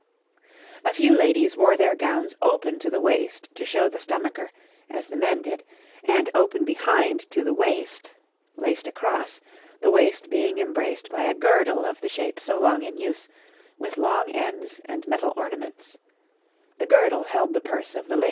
A few ladies wore their gowns open to the waist to show the stomacher, as the men did, and open behind to the waist, laced across, the waist being embraced by a girdle of the shape so long in use, with long ends and metal ornaments; the girdle held the purse of the lady.